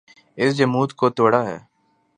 اس جمود کو توڑا ہے۔